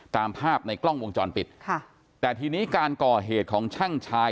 ตามภาพในกล้องวงจรปิดค่ะแต่ทีนี้การก่อเหตุของช่างชาย